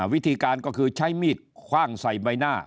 วิธีการก็คือใช้มีดคว่างใส่ใบหน้า